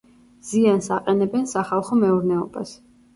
ზიანს აყენებენ სახალხო მეურნეობას.